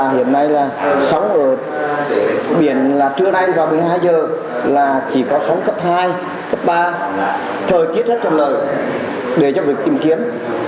hiện nay là sóng ở biển là trưa nay vào một mươi hai h là chỉ có sóng cấp hai cấp ba thời tiết rất là lợi để cho việc tìm kiếm